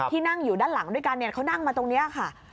นั่งอยู่ด้านหลังด้วยกันเขานั่งมาตรงนี้ค่ะ